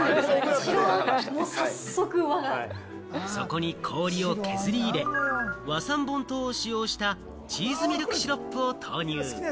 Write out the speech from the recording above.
そこに氷を削り入れ、和三盆糖を使用したチーズミルクシロップを導入。